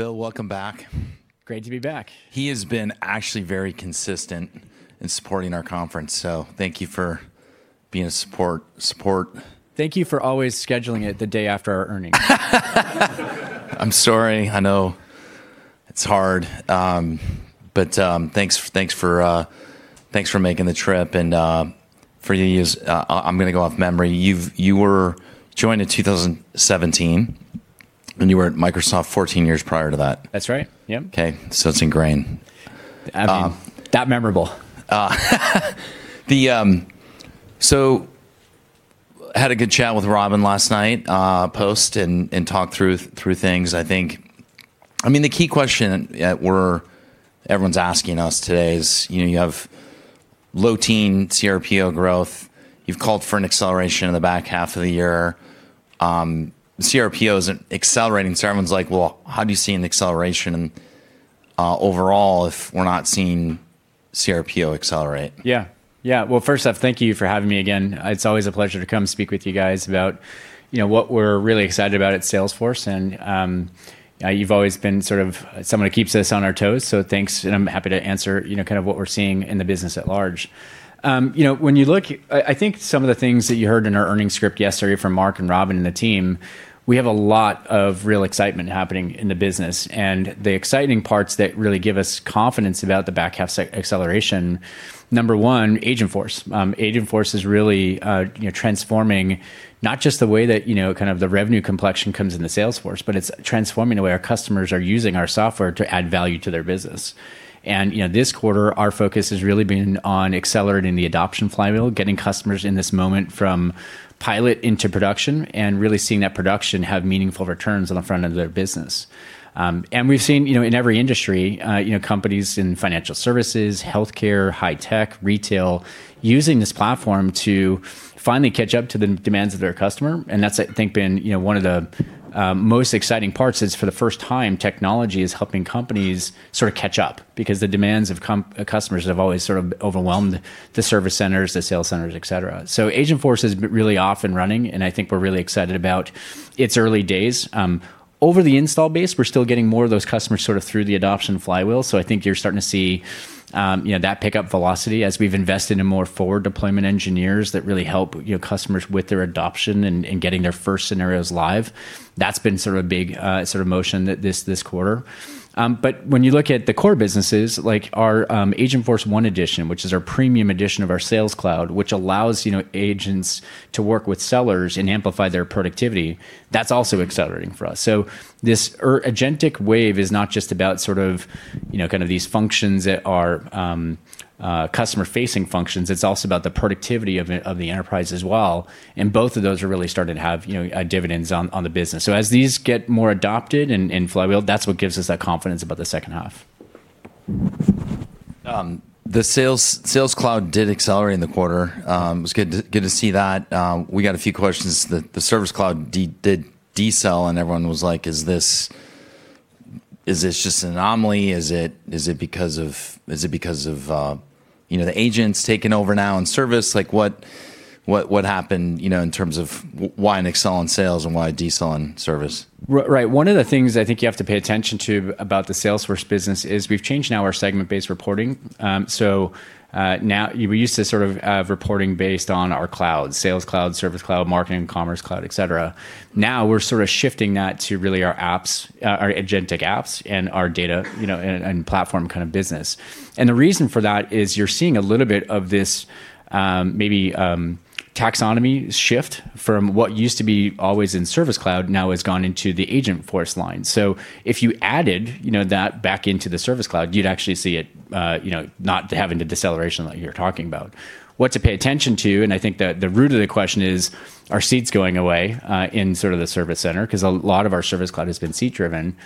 Bill, welcome back. Great to be back. He has actually been very consistent in supporting our conference, so thank you for being a support. Thank you for always scheduling it the day after our earnings. I'm sorry. I know it's hard. Thanks for making the trip, and for you, I'm going to go off memory. You joined in 2017; you were at Microsoft 14 years prior to that. That's right. Yep. Okay, it's ingrained. That's memorable. Had a good chat with Robin last night, post, and talked through things. The key question everyone's asking us today is, you have low teen cRPO growth. You've called for an acceleration in the back half of the year. cRPO isn't accelerating; everyone's like, "Well, how do you see an acceleration overall if we're not seeing cRPO accelerate? Yeah. Well, first off, thank you for having me again. It's always a pleasure to come speak with you guys about what we're really excited about at Salesforce, and you've always been someone who keeps us on our toes, so thanks, and I'm happy to answer what we're seeing in the business at large. When you look, I think some of the things that you heard in our earnings script yesterday from Marc, and Robin, and the team, we have a lot of real excitement happening in the business, and the exciting parts that really give us confidence about the back half acceleration, number one, Agentforce. Agentforce is really transforming not just the way that the revenue complexion comes into Salesforce, but it's transforming the way our customers are using our software to add value to their business. This quarter, our focus has really been on accelerating the adoption of flywheel, getting customers in this moment from pilot into production, and really seeing that production have meaningful returns on the front of their business. We've seen in every industry, companies in financial services, healthcare, high tech, retail, using this platform to finally catch up to the demands of their customer, and that's, I think, been one of the most exciting parts is for the first time, technology is helping companies catch up because the demands of customers have always overwhelmed the service centers, the sales centers, et cetera. Agentforce is really off and running, and I think we're really excited about its early days. Over the install base, we're still getting more of those customers through the adoption of flywheel. I think you're starting to see that pick up velocity as we've invested in more forward deployment engineers that really help customers with their adoption and getting their first scenarios live. That's been a big motion this quarter. When you look at the core businesses, like our Agentforce 1 Edition, which is our premium edition of our Sales Cloud, which allows agents to work with sellers and amplify their productivity, that's also accelerating for us. This agentic wave is not just about these functions that are customer-facing functions; it's also about the productivity of the enterprise as well, and both of those are really starting to have dividends on the business. As these get more adopted in flywheel, that's what gives us that confidence about the second half. The Sales Cloud did accelerate in the quarter. It was good to see that. We got a few questions. The Service Cloud did decel. Everyone was like, "Is this just an anomaly? Is it because of the agents taking over now in service?" Like, what happened in terms of why an accel in sales and why a decel in service? Right. One of the things I think you have to pay attention to about the Salesforce business is we've changed now our segment-based reporting. We used to report based on our clouds, Sales Cloud, Service Cloud, Marketing, Commerce Cloud, et cetera. Now we're shifting that to really our agentic apps, and our data and platform business. The reason for that is you're seeing a little bit of this maybe taxonomy shift from what used to be always in Service Cloud, now has gone into the Agentforce line. If you added that back into the Service Cloud, you'd actually see it not having the deceleration like you're talking about. What to pay attention to, and I think that the root of the question is, are seats going away in the service center? A lot of our Service Cloud has been seat-driven.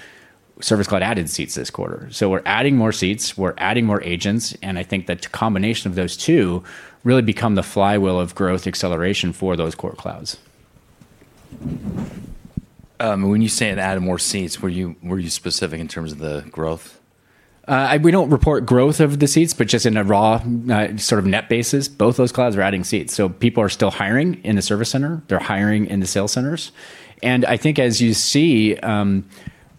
Service Cloud added seats this quarter. We're adding more seats, we're adding more agents, and I think the combination of those two really becomes the flywheel of growth acceleration for those core clouds. When you say it added more seats, were you specific in terms of the growth? We don't report growth of the seats, but just in a raw net basis, both those clouds are adding seats. People are still hiring in the service center. They're hiring in the sales centers. I think, as you see,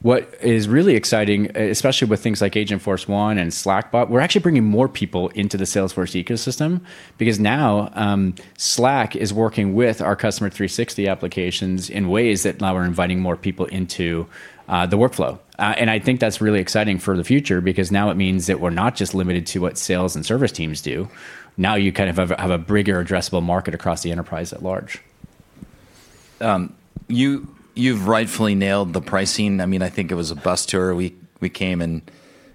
what is really exciting, especially with things like Agentforce 1 and Slackbot, we're actually bringing more people into the Salesforce ecosystem because now Slack is working with our Customer 360 applications in ways that now we're inviting more people into the workflow. I think that's really exciting for the future because now it means that we're not just limited to what sales and service teams do. Now you have a bigger addressable market across the enterprise at large. You've rightfully nailed the pricing. I think it was a bus tour. We came in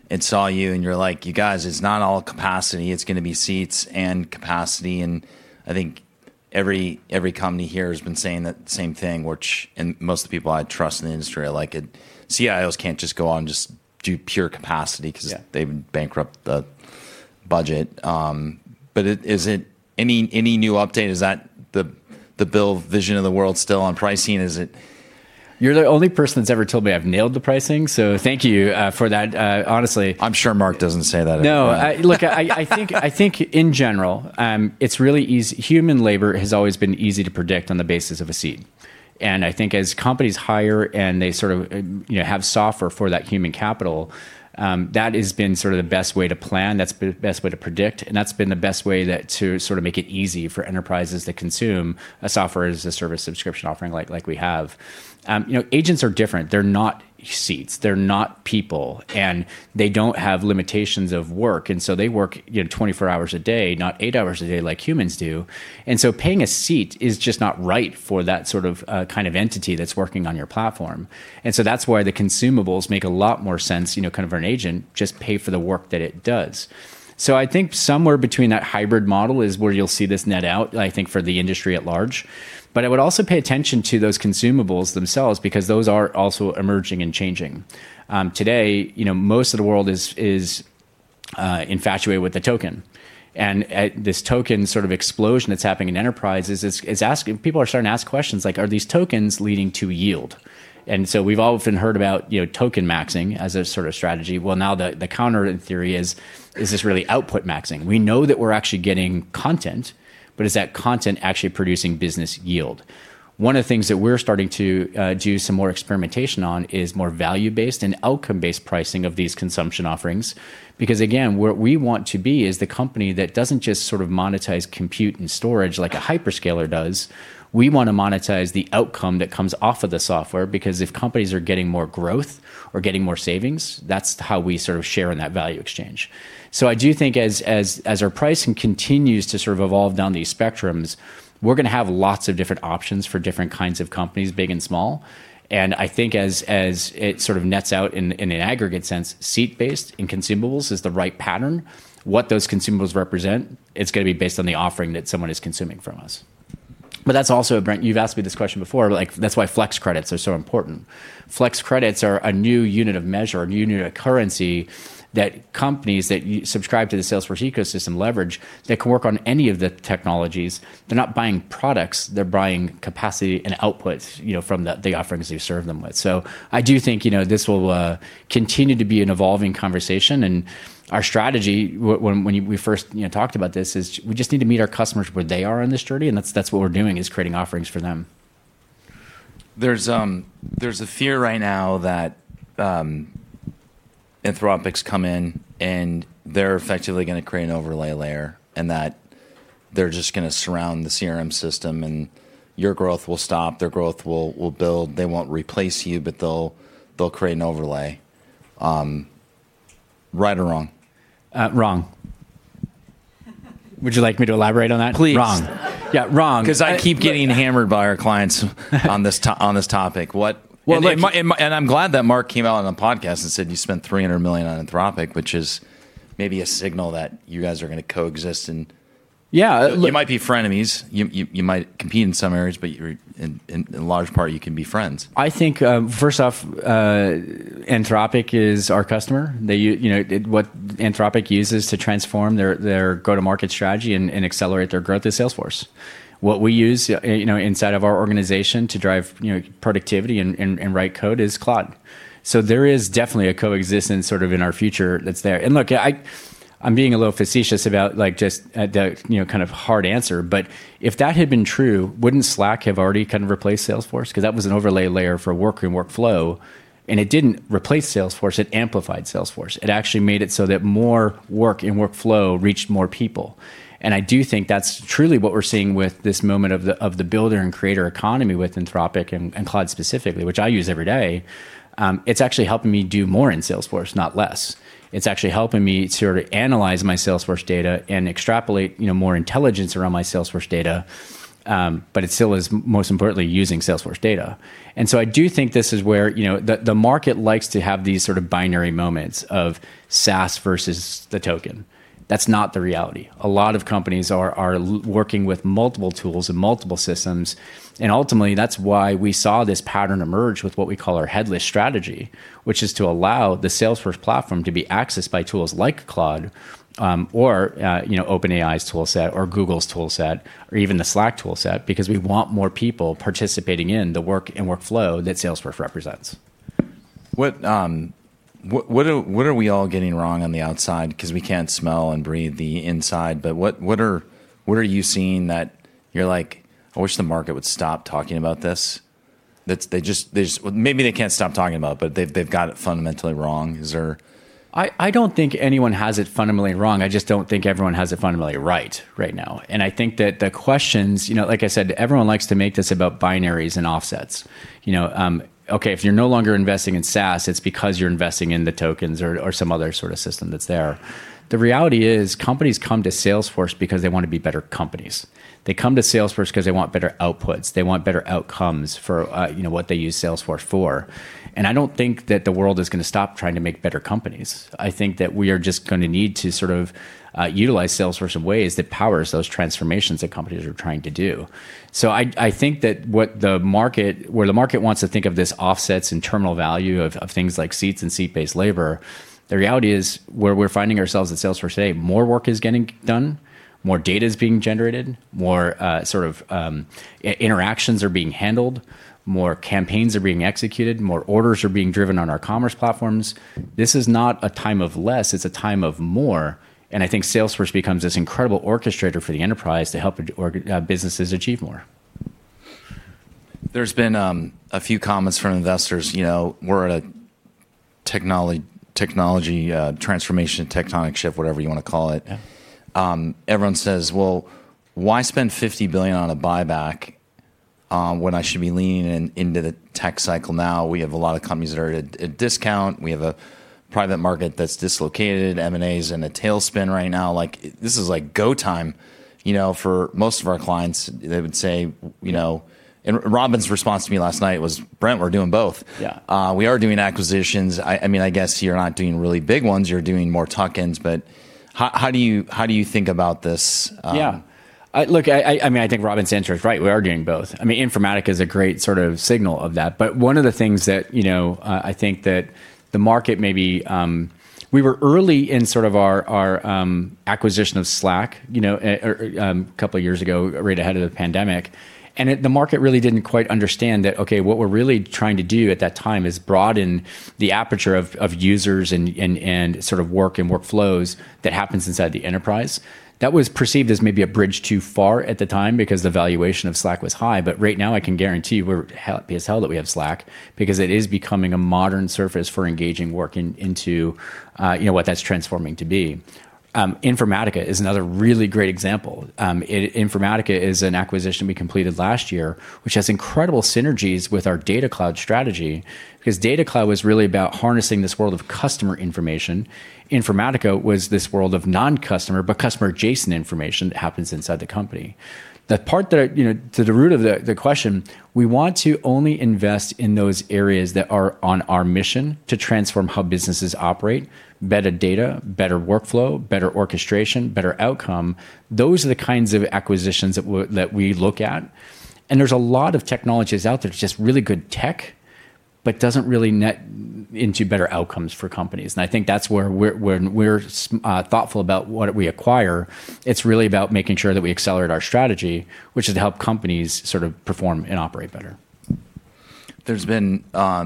and saw you're like, "You guys, it's not all capacity. It's going to be seats and capacity." I think every company here has been saying that same thing, which, and most of the people I trust in the industry are like, CIOs can't just go on, just do pure capacity. Yeah. Because they would bankrupt the budget. Any new update? Is that Bill's vision of the world still on pricing? You're the only person that's ever told me I've nailed the pricing, so thank you for that. I'm sure Marc doesn't say that either. No. Look, I think in general, human labor has always been easy to predict on the basis of a seat. I think as companies hire and they sort of have software for that human capital, that has been sort of the best way to plan, that's the best way to predict, and that's been the best way to sort of make it easy for enterprises to consume a software as a service subscription offering like we have. You know, agents are different. They're not seats, they're not people. They don't have limitations of work, so they work 24 hours a day, not eight hours a day like humans do. Paying a seat is just not right for that sort of, kind of entity that's working on your platform. That's why the consumables make a lot more sense, kind of earn agent, just pay for the work that it does. I think somewhere between that hybrid model is where you'll see this net out, I think, for the industry at large. I would also pay attention to those consumables themselves, because those are also emerging and changing. Today, most of the world is infatuated with the token, and this token sort of explosion that's happening in enterprises. People are starting to ask questions like, are these tokens leading to yield? We've often heard about token maxing as a sort of strategy. Now the counter theory is this, really outcome maxing? We know that we're actually getting content, but is that content actually producing business yield? One of the things that we're starting to do some more experimentation on is more value-based and outcome-based pricing of these consumption offerings. Again, where we want to be is the company that doesn't just sort of monetize compute and storage like a hyperscaler does. We want to monetize the outcome that comes off of the software, because if companies are getting more growth or getting more savings, that's how we sort of share in that value exchange. I do think as our pricing continues to sort of evolve down these spectrums, we're going to have lots of different options for different kinds of companies, big and small. I think, as it sort of nets out in an aggregate sense, seat-based and consumables is the right pattern. What those consumables represent is going to be based on the offering that someone is consuming from us. That's also, Brent, you've asked me this question before, like that's why Flex Credits are so important. Flex Credits are a new unit of measure, a new unit of currency that companies that subscribe to the Salesforce ecosystem leverage that can work on any of the technologies. They're not buying products; they're buying capacity and output from the offerings we serve them with. I do think this will continue to be an evolving conversation. Our strategy when we first talked about this is we just needed to meet our customers where they are on this journey. That's what we're doing: creating offerings for them. There's a fear right now that Anthropic comes in and they're effectively going to create an overlay layer, and that they're just going to surround the CRM system, and your growth will stop, their growth will build. They won't replace you, but they'll create an overlay. Right or wrong? Wrong. Would you like me to elaborate on that? Please. Wrong. Yeah. Wrong. I keep getting hammered by our clients on this topic. Well. I'm glad that Marc came out on the podcast and said you spent $300 million on Anthropic, which is maybe a signal that you guys are going to coexist. Yeah. You might be frenemies, you might compete in some areas, but in large part, you can be friends. I think, first off, Anthropic is our customer. What Anthropic uses to transform their go-to-market strategy and accelerate their growth is Salesforce. What we use inside of our organization to drive productivity and write code is Claude. There is definitely a coexistence sort of in our future that's there. Look, I'm being a little facetious about just the kind of hard answer, but if that had been true, wouldn't Slack have already kind of replaced Salesforce? Because that was an overlay layer for work and workflow, and it didn't replace Salesforce, it amplified Salesforce. It actually made it so that more work and workflow reached more people. I do think that's truly what we're seeing with this moment of the builder and creator economy with Anthropic and Claude specifically, which I use every day. It's actually helping me do more in Salesforce, not less. It's actually helping me sort of analyze my Salesforce data and extrapolate more intelligence around my Salesforce data. It is still most importantly using Salesforce data. I do think this is where the market likes to have these sorts of binary moments of SaaS versus the token. That's not the reality. A lot of companies are working with multiple tools and multiple systems, and ultimately that's why we saw this pattern emerge with what we call our headless strategy, which is to allow the Salesforce platform to be accessed by tools like Claude, or OpenAI's tool set, or Google's tool set, or even the Slack tool set, because we want more people participating in the work and workflow that Salesforce represents. What are we all getting wrong on the outside because we can't smell and breathe the inside? What are you seeing that you're like, "I wish the market would stop talking about this"? Maybe they can't stop talking about it, but they've got it fundamentally wrong. I don't think anyone has it fundamentally wrong. I just don't think everyone has it fundamentally right now. I think that the questions, like I said, everyone likes to make this about binaries and offsets. Okay, if you're no longer investing in SaaS, it's because you're investing in the tokens or some other sort of system that's there. The reality is, companies come to Salesforce because they want to be better companies. They come to Salesforce because they want better outputs, they want better outcomes for what they use Salesforce for. I don't think that the world is going to stop trying to make better companies. I think that we are just going to need to sort of utilize Salesforce in ways that power those transformations that companies are trying to do. I think that where the market wants to think of this offsets and terminal value of things like seats and seat-based labor, the reality is where we're finding ourselves at Salesforce today, more work is getting done, more data is being generated, more sort of interactions are being handled, more campaigns are being executed, more orders are being driven on our commerce platforms. This is not a time of less, it's a time of more. I think Salesforce becomes this incredible orchestrator for the enterprise to help businesses achieve more. There's been a few comments from investors. We're at a technology transformation, tectonic shift, whatever you want to call it. Yeah. Everyone says, "Well, why spend $50 billion on a buyback when I should be leaning in into the tech cycle now?" We have a lot of companies that are at a discount. We have a private market that's dislocated. M&A's in a tailspin right now. This is like go time for most of our clients, they would say. Robin's response to me last night was, "Brent, we're doing both. Yeah. We are doing acquisitions." I guess you're not doing really big ones, you're doing more tuck-ins, but how do you think about this? Yeah. Look, I think Robin's answer is right. One of the things that I think that the market may be. We were early in sort of our acquisition of Slack a couple of years ago, right ahead of the pandemic, and the market really didn't quite understand that, okay, what we're really trying to do at that time is broaden the aperture of users and sort of work and workflows that happen inside the enterprise. That was perceived as maybe a bridge too far at the time because the valuation of Slack was high. Right now, I can guarantee we're happy as hell that we have Slack because it is becoming a modern surface for engaging work into what that's transforming to be. Informatica is another really great example. Informatica is an acquisition we completed last year, which has incredible synergies with our Data Cloud strategy, because Data Cloud was really about harnessing this world of customer information. Informatica was this world of non-customer, but customer-adjacent information that happens inside the company. To the root of the question, we want to only invest in those areas that are on our mission to transform how businesses operate, better data, better workflow, better orchestration, better outcome. Those are the kinds of acquisitions that we look at. There's a lot of technologies out there that's just really good tech, but doesn't really lead to better outcomes for companies. I think that's where we're thoughtful about what we acquire. It's really about making sure that we accelerate our strategy, which is to help companies sort of perform and operate better. There's been a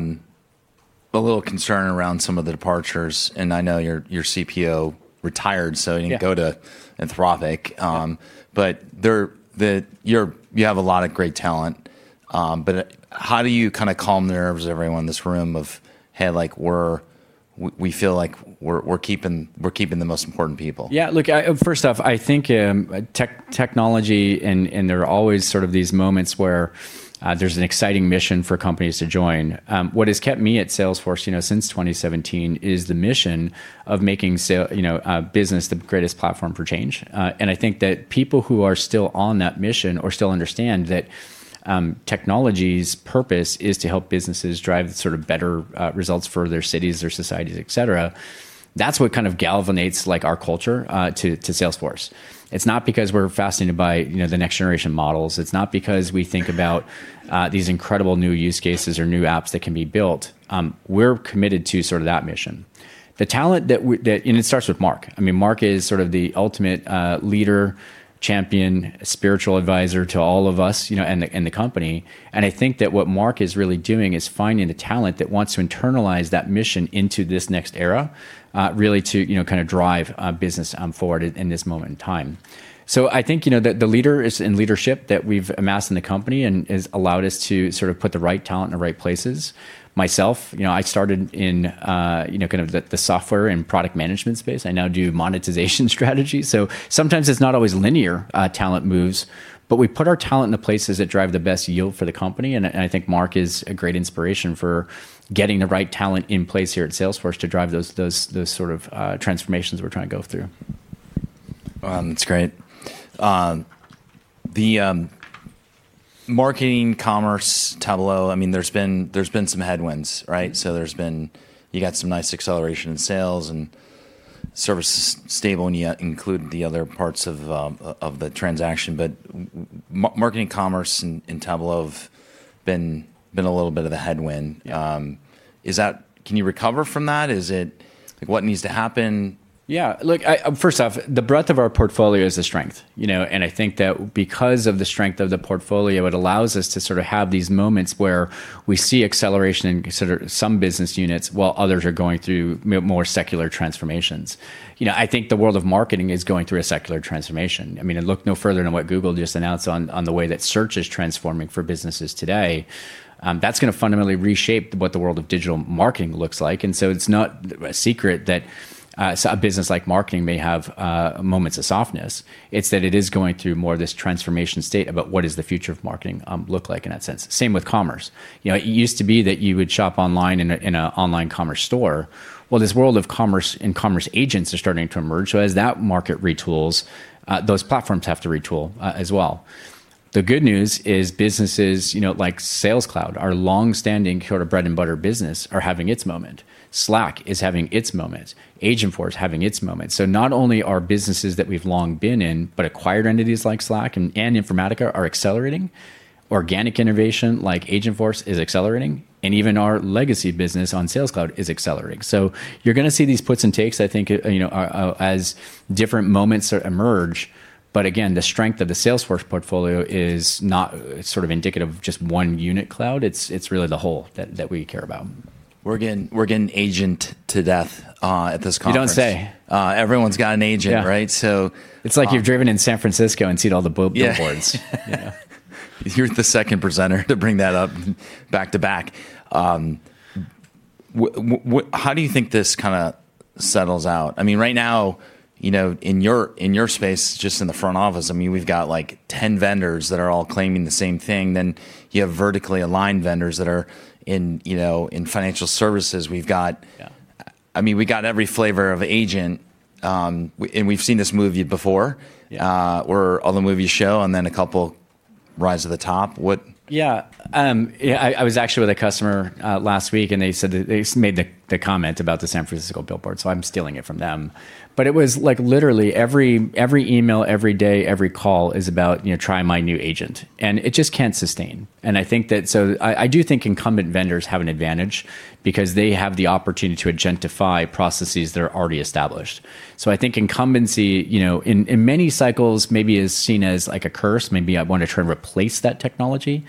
little concern around some of the departures, and I know your CPO retired. Yeah, Go to Anthropic. Yeah. You have a lot of great talent, but how do you kind of calm the nerves of everyone in this room, of "Hey, we feel like we're keeping the most important people? Yeah. Look, first off, I think technology, there are always sort of these moments where there's an exciting mission for companies to join. What has kept me at Salesforce since 2017 is the mission of making business the greatest platform for change. I think that people who are still on that mission or still understand that technology's purpose is to help businesses drive sort of better results for their cities, their societies, et cetera. That's what kind of galvanizes our culture to Salesforce. It's not because we're fascinated by the next-generation models. It's not because we think about these incredible new use cases or new apps that can be built. We're committed to sort of that mission. It starts with Marc. Marc is sort of the ultimate leader, champion, spiritual advisor to all of us and the company. I think that what Marc is really doing is finding the talent that wants to internalize that mission into this next era, really to kind of drive business forward in this moment in time. I think the leaders and leadership that we've amassed in the company and has allowed us to sort of put the right talent in the right places. Myself, I started in the kind of software and product management space. I now do a monetization strategy. Sometimes it's not always linear talent moves, but we put our talent into places that drive the best yield for the company, and I think Marc is a great inspiration for getting the right talent in place here at Salesforce to drive those sorts of transformations we're trying to go through. That's great. The marketing, commerce, Tableau, there's been some headwinds, right? You got some nice acceleration in sales, and service is stable, and you included the other parts of the transaction, but marketing, commerce, and Tableau have been a little bit of a headwind. Yeah. Can you recover from that? What needs to happen? Yeah. Look, first off, the breadth of our portfolio is a strength. I think that because of the strength of the portfolio, it allows us to sort of have these moments where we see acceleration in sort of some business units while others are going through more secular transformations. I think the world of marketing is going through a secular transformation. Look no further than what Google just announced on the way that Search is transforming for businesses today. That's going to fundamentally reshape what the world of digital marketing looks like. It's not a secret that a business like marketing may have moments of softness. It's that it is going through more of this transformation state, about what does the future of marketing looks like in that sense. Same with commerce. It used to be that you would shop online in an online commerce store. Well, this world of commerce and commerce agents are starting to emerge, as that market retools, those platforms have to retool as well. The good news is businesses like Sales Cloud, our longstanding sort of bread and butter business, are having its moment. Slack is having its moment. Agentforce is having its moment. Not only are businesses that we've long been in, but acquired entities like Slack and Informatica are accelerating. Organic innovation like Agentforce is accelerating, and even our legacy business on Sales Cloud is accelerating. You're going to see these puts and takes, I think, as different moments emerge. Again, the strength of the Salesforce portfolio is not sort of indicative of just one unit cloud. It's really the whole that we care about. We're getting agented to death at this conference. You don't say. Everyone's got an agent, right? It's like you've driven in San Francisco and seen all the WHOOP billboards. Yeah. You're the second presenter to bring that up back-to-back. How do you think this kind of settles out? Right now, in your space, just in the front office, we've got 10 vendors that are all claiming the same thing. You have vertically aligned vendors that are in financial services. Yeah. I mean, we got every flavor of agent, we've seen this movie before, where all the movies show, and then a couple rise to the top. I was actually with a customer last week, and they made the comment about the San Francisco billboard, so I'm stealing it from them. It was literally every email, every day, every call is about, "Try my new agent." It just can't sustain. I do think incumbent vendors have an advantage because they have the opportunity to agentify processes that are already established. I think incumbency, in many cycles, may be seen as a curse. Maybe I want to try, and replace that technology.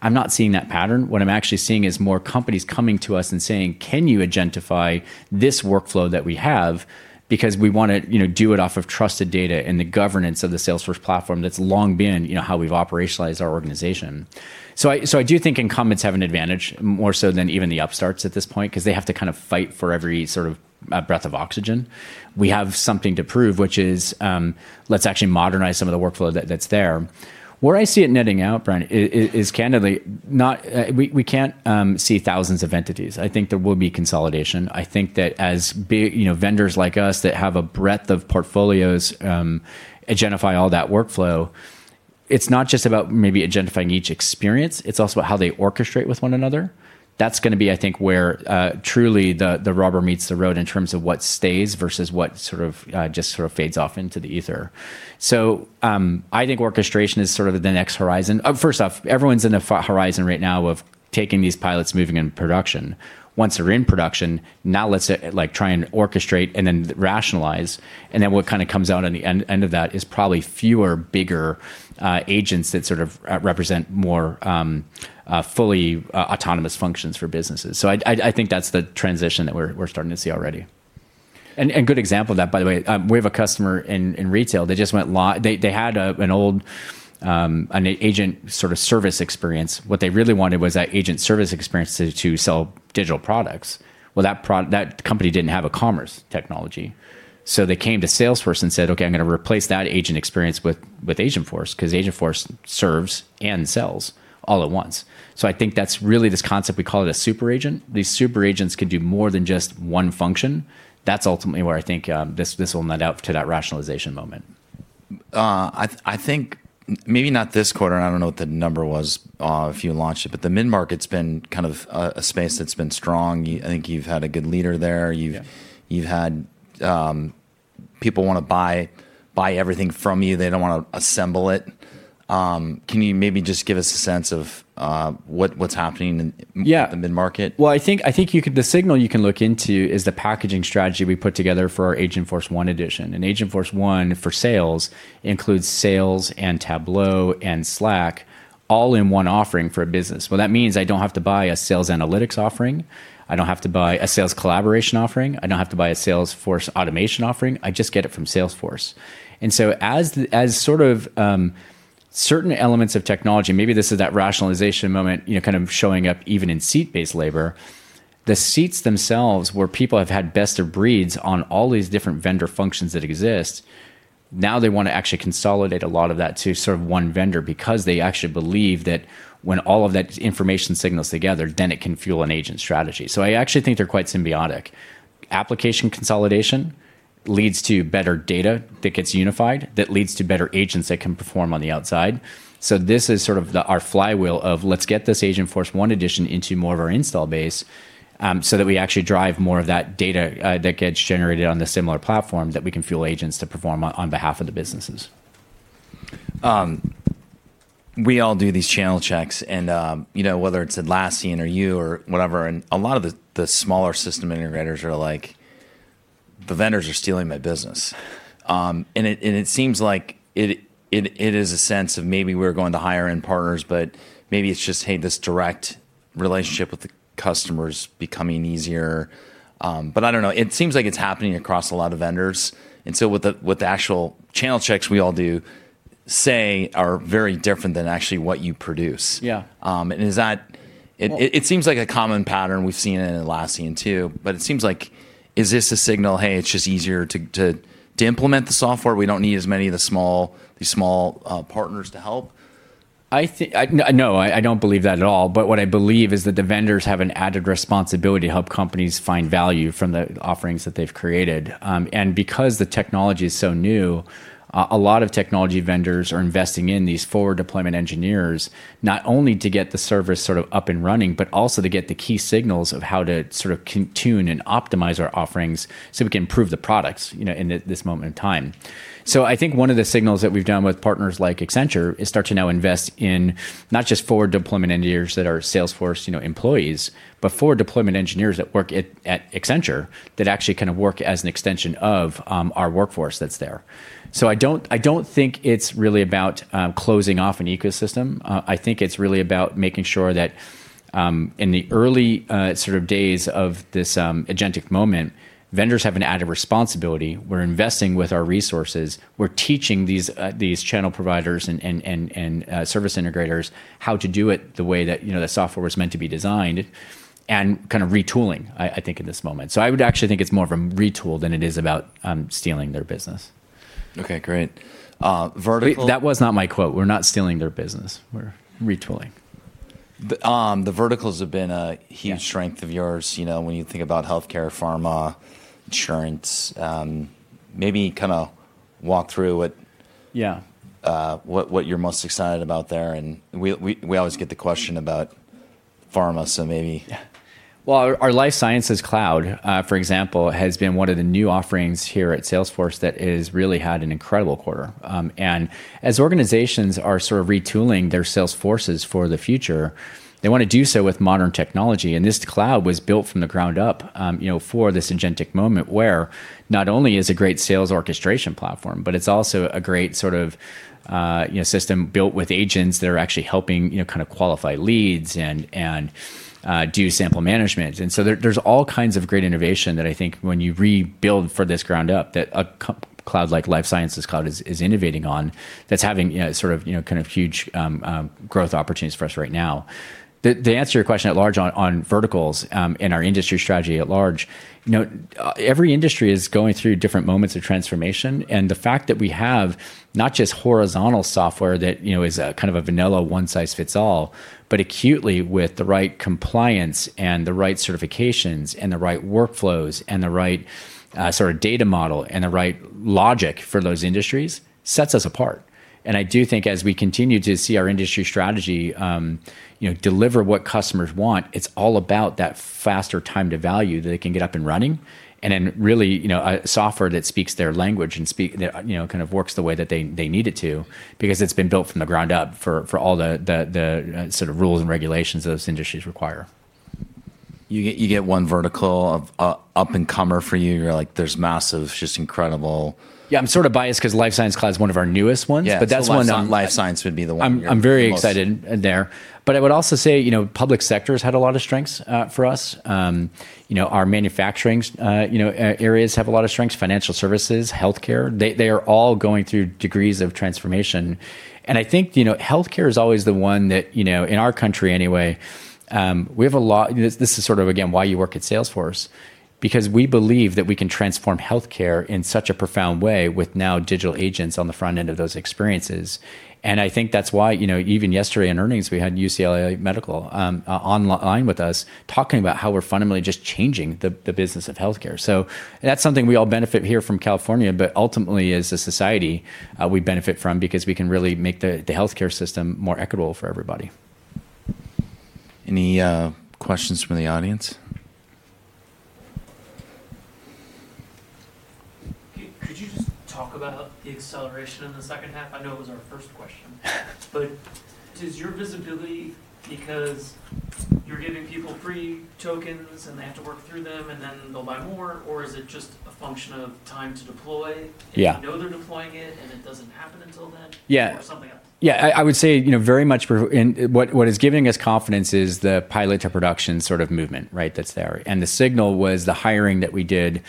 I'm not seeing that pattern. What I'm actually seeing is more companies coming to us and saying, "Can you agentify this workflow that we have because we want to do it off of trusted data and the governance of the Salesforce platform that's long been how we've operationalized our organization." I do think incumbents have an advantage, more so than even the upstarts at this point, because they have to kind of fight for every sort of breath of oxygen. We have something to prove, which is, let's actually modernize some of the workflow that's there. Where I see it netting out, Brent, is candidly, we can't see thousands of entities. I think there will be consolidation. I think that as big vendors like us that have a breadth of portfolios, agentify all that workflow, it's not just about maybe agentifying each experience, it's also about how they orchestrate with one another. That's going to be, I think, where truly the rubber meets the road in terms of what stays versus what just sort of fades off into the ether. I think orchestration is sort of the next horizon. First off, everyone's in the horizon right now of taking these pilots, moving into production. Once they're in production, now let's try and orchestrate and then rationalize, and then what kind of comes out on the end of that is probably fewer, bigger agents that sort of represent more fully autonomous functions for businesses. I think that's the transition that we're starting to see already. A good example of that, by the way, we have a customer in retail. They had an old agent sort of service experience. What they really wanted was that agent service experience to sell digital products. That company didn't have a commerce technology. They came to Salesforce and said, "Okay, I'm going to replace that agent experience with Agentforce," because Agentforce serves and sells all at once. I think that's really this concept. We call it a super agent. These super agents can do more than just one function. That's ultimately where I think this will net out to that rationalization moment. I think maybe not this quarter, and I don't know what the number was or if you launched it, but the mid-market's been kind of a space that's been strong. I think you've had a good leader there. Yeah. You've had people want to buy everything from you. They don't want to assemble it. Can you maybe just give us a sense of what's happening in- Yeah, the mid-market? I think the signal you can look into is the packaging strategy we put together for our Agentforce 1 Edition. Agentforce 1 for Sales includes Sales, and Tableau, and Slack all in one offering for a business. That means I don't have to buy a sales analytics offering. I don't have to buy a sales collaboration offering. I don't have to buy a sales force automation offering. I just get it from Salesforce. So, as sort of certain elements of technology, maybe this is that rationalization moment, kind of showing up even in seat-based labor. The seats themselves, where people have had best of breeds on all these different vendor functions that exist, now they want to actually consolidate a lot of that to sort of one vendor because they actually believe that when all of that information signals together, then it can fuel an agent strategy. I actually think they're quite symbiotic. Application consolidation leads to better data that gets unified, that leads to better agents that can perform on the outside. This is sort of our flywheel of let's get this Agentforce 1 Edition into more of our install base so that we actually drive more of that data that gets generated on the similar platform that we can fuel agents to perform on behalf of the businesses. We all do these channel checks, and whether it's Atlassian or you or whatever, and a lot of the smaller system integrators are like, "The vendors are stealing my business." It seems like it is a sense of maybe we're going to higher-end partners, but maybe it's just, hey, this direct relationship with the customer is becoming easier. I don't know. It seems like it's happening across a lot of vendors. With the actual channel checks we all do say are very different than actually what you produce. Yeah. It seems like a common pattern we've seen in Atlassian, too. It seems like, is this a signal, "Hey, it's just easier to implement the software. We don't need as many of the small partners to help"? No, I don't believe that at all. What I believe is that the vendors have an added responsibility to help companies find value from the offerings that they've created. Because the technology is so new, a lot of technology vendors are investing in these forward deployment engineers, not only to get the service sort of up and running, but also to get the key signals of how to sort of tune and optimize our offerings so we can improve the products in this moment in time. I think one of the signals that we've done with partners like Accenture is to start to now invest in not just forward deployment engineers that are Salesforce employees, but forward deployment engineers that work at Accenture that actually kind of work as an extension of our workforce that's there. I don't think it's really about closing off an ecosystem. I think it's really about making sure that in the early sort of days of this agentic moment, vendors have an added responsibility. We're investing with our resources, we're teaching these channel providers and service integrators how to do it the way that software was meant to be designed, and kind of retooling, I think, in this moment. I would actually think it's more of a retool than it is about stealing their business. Okay, great. That was not my quote. We're not stealing their business. We're retooling. The verticals have been huge. Yeah. Strength of yours. When you think about healthcare, pharma, insurance, maybe kind of walk through what? Yeah. What you're most excited about there? We always get the question about pharma, so maybe. Yeah. Well, our Life Sciences Cloud, for example, has been one of the new offerings here at Salesforce that has really had an incredible quarter. As organizations are sort of retooling their sales forces for the future, they want to do so with modern technology, and this cloud was built from the ground up for this agentic moment, where not only is it a great sales orchestration platform, but it's also a great sort of system built with agents that are actually helping qualify leads and do sample management. There's all kinds of great innovations that I think when you rebuild for this ground up, that a cloud like Life Sciences Cloud is innovating on, that's having sort of huge growth opportunities for us right now. To answer your question at large on verticals, in our industry strategy at large, every industry is going through different moments of transformation. The fact that we have not just horizontal software that is kind of a vanilla one-size-fits-all, but acutely with the right compliance and the right certifications and the right workflows and the right sort of data model and the right logic for those industries, sets us apart. I do think as we continue to see our industry strategy deliver what customers want, it's all about that faster time to value that it can get up and running. Then, really, software that speaks their language and kind of works the way that they need it to because it's been built from the ground up for all the sort of rules and regulations those industries require. You get one vertical of up-and-comer for you. You're like. Yeah, I'm sort of biased because Life Sciences Cloud is one of our newest ones. Yeah. But that's one- Life Sciences would be the one you're most- I'm very excited there. I would also say the public sector has had a lot of strengths for us. Our manufacturing areas have a lot of strengths, financial services, healthcare. They are all going through degrees of transformation. I think healthcare is always the one that, in our country anyway. This is sort of, again, why you work at Salesforce, because we believe that we can transform healthcare in such a profound way with now digital agents on the front end of those experiences. I think that's why, even yesterday in earnings, we had UCLA Health online with us talking about how we're fundamentally just changing the business of healthcare. That's something we all benefit here from California, but ultimately, as a society, we benefit from it because we can really make the healthcare system more equitable for everybody. Any questions from the audience? Could you just talk about the acceleration in the second half? I know it was our first question. Is your visibility because you're giving people free tokens and they have to work through them, and then they'll buy more? Is it just a function of time to deploy? Yeah. You know they're deploying it, and it doesn't happen until then. Yeah. Something else? Yeah. I would say, very much what is giving us confidence is the pilot to production sort of movement, right, that's there. The signal was the hiring that we did,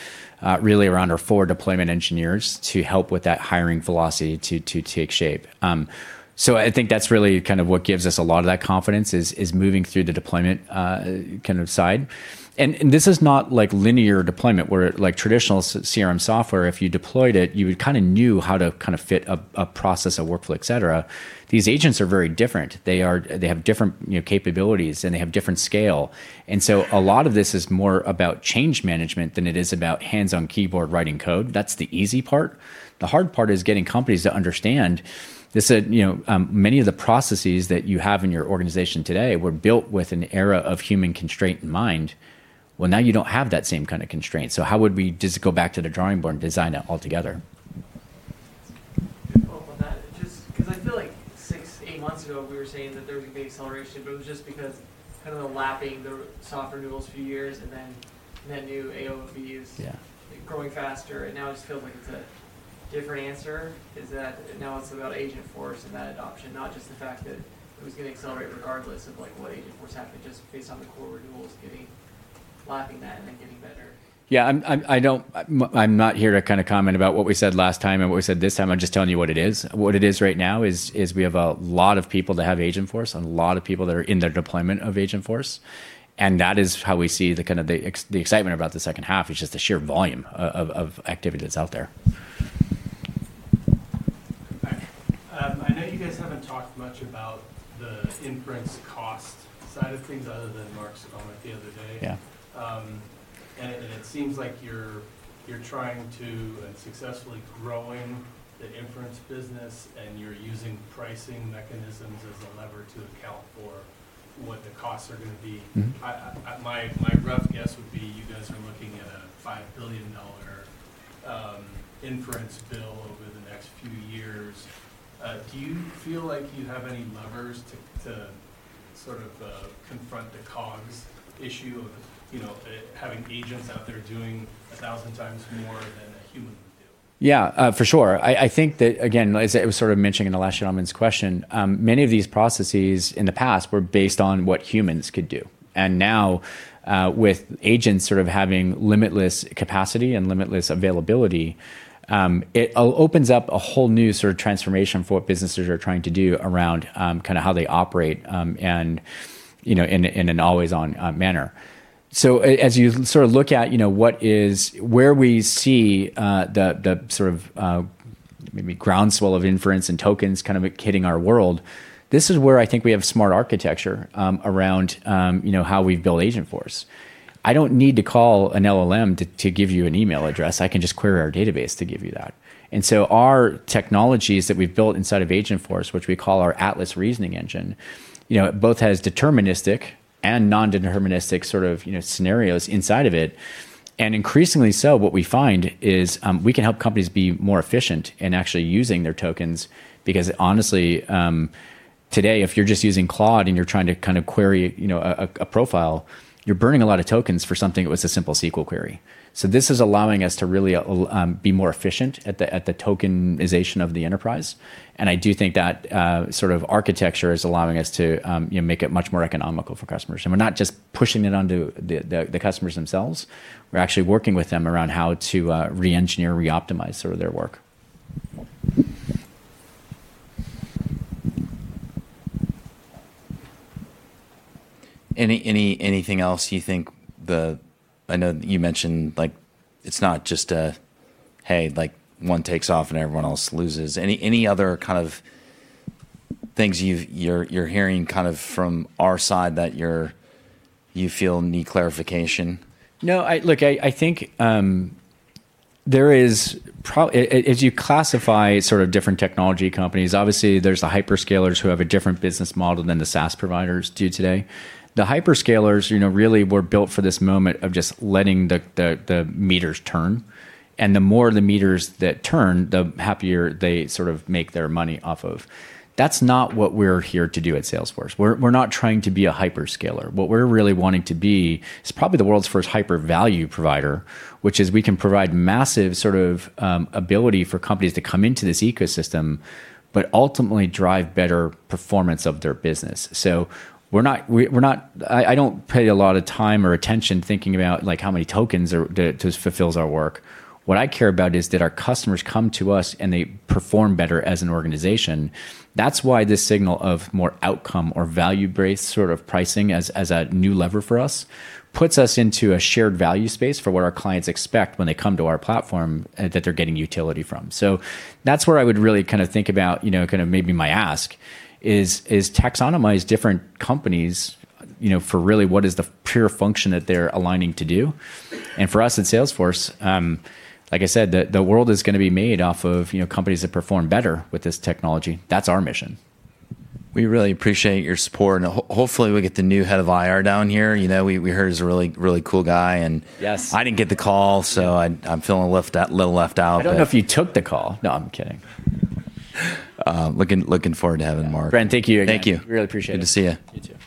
really around our forward deployment engineers, to help with that hiring velocity to take shape. I think that's really kind of what gives us a lot of that confidence, is moving through the deployment kind of side. This is not like linear deployment, where, like traditional CRM software, if you deployed it, you would kind of knew how to kind of fit a process, a workflow, et cetera. These agents are very different. They have different capabilities, and they have different scales. A lot of this is more about change management than it is about hands-on keyboard writing code. That's the easy part. The hard part is getting companies to understand that many of the processes that you have in your organization today were built with an era of human constraint in mind. Well, now you don't have that same kind of constraint, so how about we just go back to the drawing board and design that altogether? To follow up on that, just because I feel like six, eight months ago, we were saying that there would be a big acceleration, but it was just because kind of the lapping of the soft renewals for years, and then new [ACVs. Yeah. Growing faster. Now I just feel like it's a different answer, is that now it's about Agentforce and that adoption, not just the fact that it was going to accelerate regardless of what Agentforce happened, just based on the core renewals lapping that and then getting better. Yeah. I'm not here to kind of comment about what we said last time and what we said this time. I'm just telling you what it is. What it is right now is, we have a lot of people that have Agentforce, a lot of people that are in their deployment of Agentforce, and that is how we see the kind of excitement about the second half, is just the sheer volume of activity that's out there. Okay. I know you guys haven't talked much about the inference cost side of things, other than Marc's comment the other day. Yeah. It seems like you're trying to, and successfully growing the inference business, and you're using pricing mechanisms as a lever to account for what the costs are going to be. My rough guess would be you guys are looking at a $5 billion inference bill over the next few years. Do you feel like you have any levers to sort of confront the COGS issue of having agents out there doing 1,000 times more than a human? Yeah, for sure. I think that, again, as I was sort of mentioning in the last gentleman's question, many of these processes in the past were based on what humans could do. Now, with agents sort of having limitless capacity and limitless availability, it opens up a whole new sort of transformation for what businesses are trying to do around kind of how they operate, and in an always-on manner. As you sort of look at where we see the sort of maybe groundswell of inference and tokens kind of hitting our world, this is where I think we have smart architecture around how we've built Agentforce. I don't need to call an LLM to give you an email address. I can just query our database to give you that. Our technologies that we've built inside of Agentforce, which we call our Atlas Reasoning Engine, both has deterministic and non-deterministic sorts of scenarios inside of it. Increasingly so, what we find is we can help companies be more efficient in actually using their tokens because, honestly, today, if you're just using Claude and you're trying to kind of query a profile, you're burning a lot of tokens for something that was a simple SQL query. This is allowing us to really be more efficient at the tokenization of the enterprise. I do think that sort of architecture is allowing us to make it much more economical for customers. We're not just pushing it onto the customers themselves. We're actually working with them around how to re-engineer, re-optimize, sort of their work. Anything else you think I know that you mentioned it's not just a, hey, one takes off and everyone else loses. Any other kinds of things you're hearing from our side that you feel need clarification? No. Look, I think as you classify sort of different technology companies, obviously, there's the hyperscalers who have a different business model than the SaaS providers do today. The hyperscalers really were built for this moment of just letting the meters turn, and the more the meters that turn, the happier they sort of make their money off of. That's not what we're here to do at Salesforce. We're not trying to be a hyperscaler. What we're really wanting to be is probably the world's first hyper value provider, which is we can provide a massive sort of ability for companies to come into this ecosystem, but ultimately drive better performance of their business. I don't pay a lot of time or attention thinking about how many tokens just fulfill our work. What I care about is that our customers come to us, and they perform better as an organization. That's why this signal of more outcome or value-based sort of pricing as a new lever for us puts us into a shared value space for what our clients expect when they come to our platform, that they're getting utility from. That's where I would really kind of think about, kind of maybe my ask is taxonomize different companies for really what is the pure function that they're aligning to do. For us at Salesforce, like I said, the world is going to be made off of companies that perform better with this technology. That's our mission. We really appreciate your support, and hopefully, we'll get the new Head of IR down here. We heard he's a really cool guy. Yes. I didn't get the call, so I'm feeling a little left out. I don't know if you took the call. No, I'm kidding. Looking forward to having Marc. Brent, thank you again. Thank you. We really appreciate it. Good to see you. You too.